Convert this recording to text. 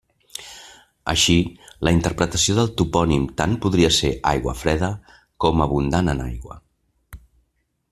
Així, la interpretació del topònim tant podria ser aigua freda com abundant en aigua.